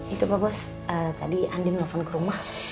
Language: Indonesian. itu pak bos tadi andien nelfon ke rumah